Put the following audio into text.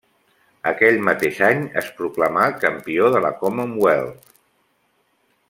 Aquell mateix any es proclamà campió de la Commonwealth.